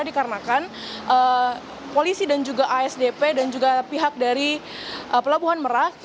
dikarenakan polisi dan juga asdp dan juga pihak dari pelabuhan merak